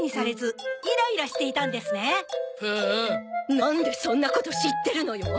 なんでそんなこと知ってるのよ？